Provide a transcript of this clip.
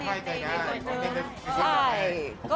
สบายใจได้ไม่เกินเงิน